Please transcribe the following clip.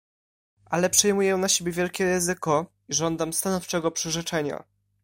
"Ale przyjmuję na siebie wielkie ryzyko i żądam stanowczego przyrzeczenia."